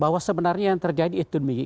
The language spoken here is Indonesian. karena sebenarnya yang terjadi itu demi